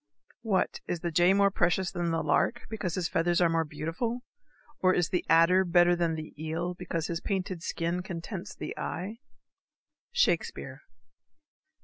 _ What! is the jay more precious than the lark, Because his feathers are more beautiful? Or is the adder better than the eel, Because his painted skin contents the eye? _Shakespeare.